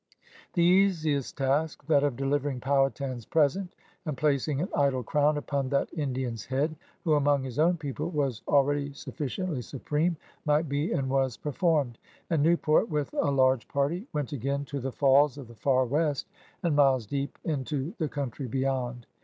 The easiest task, that of delivering Powhatan's present and placing an idle crown upon that In dian's head who, among his own people, was al ready sufficiently supreme, might be and was performed. And Newport with a large party went again to the Falls of the Far West and miles deep into the country beyond.